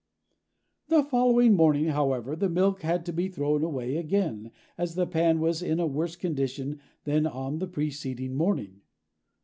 The following morning, however, the milk had to be thrown away again, as the pan was in a worse condition than on the preceding morning.